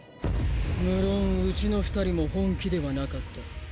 無論うちの２人も本気ではなかった。